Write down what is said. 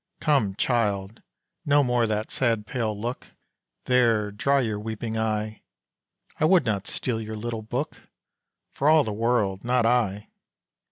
"Come, child! no more that sad pale look! There dry your weeping eye, I would not steal your little book For all the world not I!"